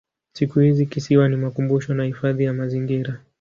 Siku hizi kisiwa ni makumbusho na hifadhi ya mazingira.